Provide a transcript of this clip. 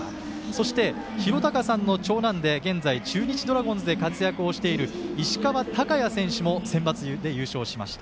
そして、尋貴さんの長男で現在中日ドラゴンズで活躍している石川昂弥選手もセンバツで優勝しました。